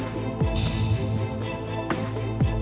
ก็ก็ก็กลิ่น